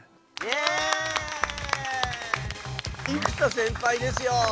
生田先輩ですよ！